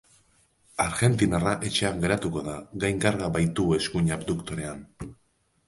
Argentinarra etxean geratuko da gainkarga baitu eskuin abduktorean.